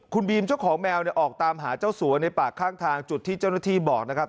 คุณบีมเจ้าของแมวเนี่ยออกตามหาเจ้าสัวในปากข้างทางจุดที่เจ้าหน้าที่บอกนะครับ